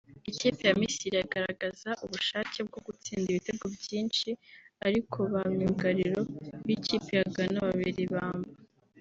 Ikipe ya Misiri yagaragaza ubushake bwo gutsinda ibitego byinshi ariko ba myugariro b’ikipe ya Ghana bababera ibamba